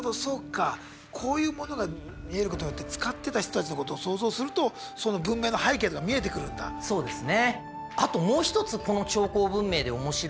こういうものが見えることによって使ってた人たちのことを想像するとあともう一つ米が取れるんですね。